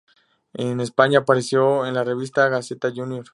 En España, apareció en la revista "Gaceta Junior".